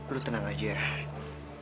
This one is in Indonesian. lo tenang aja ya